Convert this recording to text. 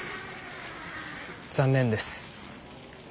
残念です。